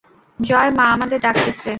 জয়, মা আমাদের ডাকতেছে!